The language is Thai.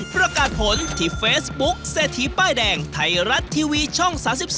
ประกาศผลที่เฟซบุ๊คเศรษฐีป้ายแดงไทยรัฐทีวีช่อง๓๒